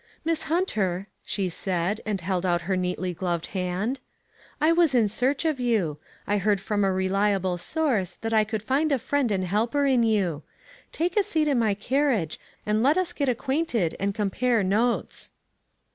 "Miss Hunter," she said, and held out her neatly gloved hand, "I was in search of you; I heard from a reliable source that I would find a friend and helper in you. Take a seat in ray carriage, and let us get acquainted and compare notes."